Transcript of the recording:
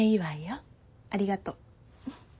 ありがとう。